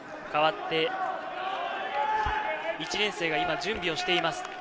代わって、１年生が今準備をしています。